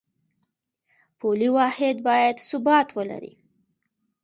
پولي واحد باید ثبات ولري